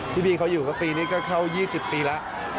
พี่เขาอยู่ก็ปีนี้ก็เข้า๒๐ปีแล้ว